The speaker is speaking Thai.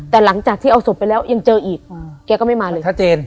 แต่หลังจากที่เอาศพไปแล้วยังเจออีกแกก็ไม่มาเลยชัดเจน